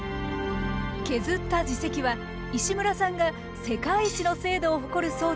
削った耳石は石村さんが世界一の精度を誇る装置で分析。